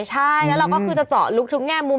ใช่แล้วเราก็คือจะเจาะลึกทุกแง่มุม